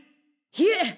いえ！